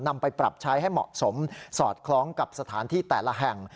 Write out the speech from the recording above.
นำไปปรับใช้ให้เหมาะสมสอดคล้องกับสถานที่แต่ละแห่ง